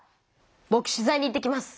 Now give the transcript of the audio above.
ぼく取材に行ってきます。